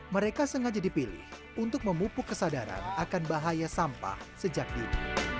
mereka sengaja dipilih untuk memupuk kesadaran akan bahaya sampah sejak dini